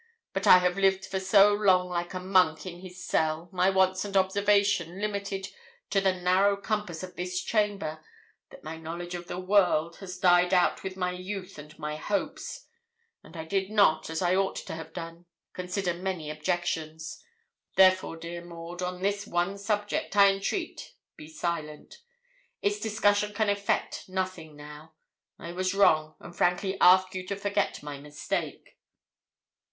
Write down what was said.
But I have lived for so long like a monk in his cell, my wants and observation limited to the narrow compass of this chamber, that my knowledge of the world has died out with my youth and my hopes: and I did not, as I ought to have done, consider many objections. Therefore, dear Maud, on this one subject, I entreat, be silent; its discussion can effect nothing now. I was wrong, and frankly ask you to forget my mistake.'